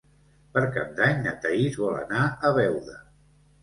Per Cap d'Any na Thaís vol anar a Beuda.